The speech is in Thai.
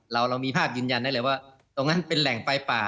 เรามีภาพยืนยันได้เลยว่าตรงนั้นเป็นแหล่งไฟป่า